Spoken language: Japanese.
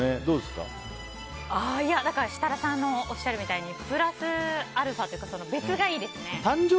設楽さんがおっしゃるみたいにプラスアルファというか別がいいですね。